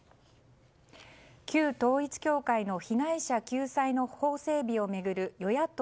旧統一教会の被害者救済の法整備を巡る与野党